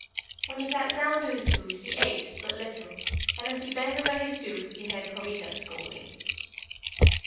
When he sat down to his food he ate but little, and as he bent over his soup he heard Jovita scolding.